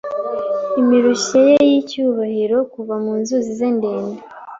imirishyo ye yicyubahiro Kuva mu nzuzi ndende